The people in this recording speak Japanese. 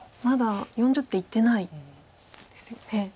まだ４０手いってないですよね。